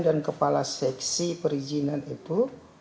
dan kepala seksi perizinan itu